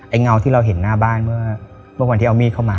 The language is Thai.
เงาที่เราเห็นหน้าบ้านเมื่อวันที่เอามีดเข้ามา